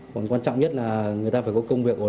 còn quan trọng nhất là người ta phải có công việc ổn định